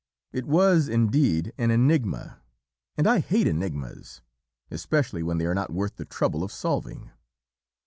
It was, indeed, an enigma, and I hate enigmas, especially when they are not worth the trouble of solving.